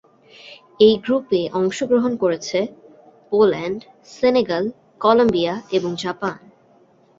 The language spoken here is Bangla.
এই গ্রুপে অংশগ্রহণ করছে পোল্যান্ড, সেনেগাল, কলম্বিয়া এবং জাপান।